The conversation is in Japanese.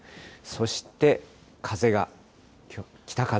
そして、風が北風。